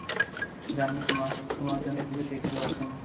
জানো তো, মা, তোমার জন্য কিছুই ঠিকঠাক যাচ্ছে না।